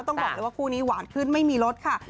ต้องบอกเลยว่าคู่นี้หวานขึ้นไม่มีรสค่ะ